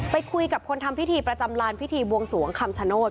ไปคุยกับคนทำพิธีประจำลานพิธีบวงสวงคำชโนธ